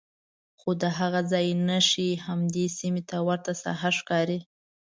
خو د هغه ځای نښې همدې سیمې ته ورته ساحه ښکاري.